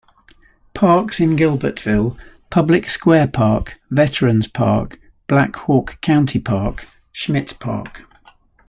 Parks in Gilbertville Public Square Park, Veterans Park, Black Hawk County Park, Schmidt Park.